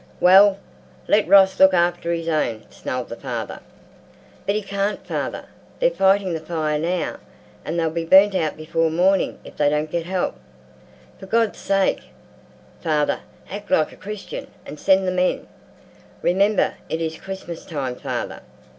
"Well—let Ross look after his own," snarled the father. "But he can't, father. They're fighting the fire now, and they'll be burnt out before the morning if they don't get help—for God's sake, father, act like a Christian and send the men. Remember it is Christmas time, father.